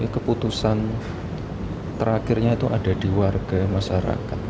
keputusan terakhirnya itu ada di warga masyarakat